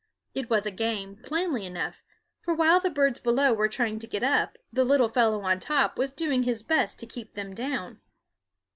It was a game, plainly enough, for while the birds below were trying to get up the little fellow on top was doing his best to keep them down.